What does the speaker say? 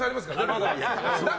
まだ。